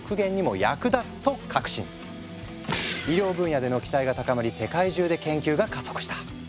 医療分野での期待が高まり世界中で研究が加速した。